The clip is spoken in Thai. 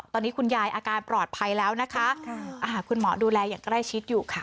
ตอนนี้คุณยายอาการปลอดภัยแล้วนะคะคุณหมอดูแลอย่างใกล้ชิดอยู่ค่ะ